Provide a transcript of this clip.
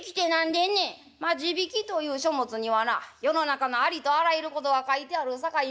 「まあ字引という書物にはな世の中のありとあらゆることが書いてあるさかい